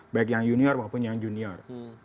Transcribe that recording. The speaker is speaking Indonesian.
baik yang junior maupun yang junior